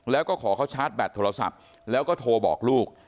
แล้วก็ขอเขาชาร์จแบตโทรศัพท์แล้วก็โทรบอกลูก